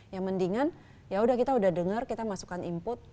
yang mendingan ya udah kita udah dengar kita masukkan input